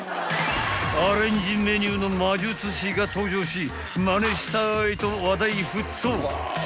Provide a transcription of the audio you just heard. ［アレンジメニューの魔術師が登場しまねしたいと話題沸騰］